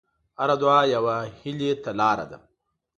هره دعا یوه هیلې ته لاره ده.